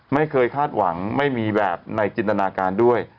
ไม่เคยคาดหวังไม่มีแบบในจินตนาการด้วย